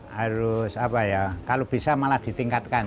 harus apa ya kalau bisa malah ditingkatkan